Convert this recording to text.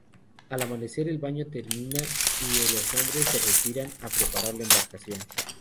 Al amanecer el baño termina y los hombres se retiran a preparar la embarcación.